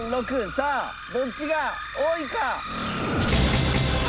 さあどっちが多いか？